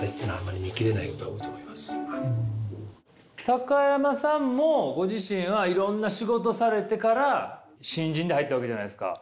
高山さんもご自身はいろんな仕事されてから新人で入ったわけじゃないですか。